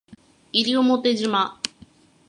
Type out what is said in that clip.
西表島